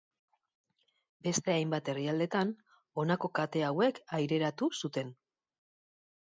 Beste hainbat herrialdetan, honako kate hauek aireratu zuten.